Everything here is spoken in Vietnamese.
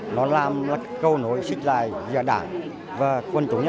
nó là câu nổi xích lại giữa đảng và quân chủ nhân dân